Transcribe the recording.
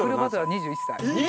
２１歳！？